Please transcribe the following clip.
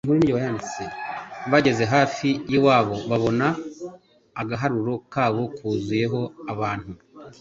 Bageze hafi y'iwabo, babona agaharuro kabo kuzuyeho abantu;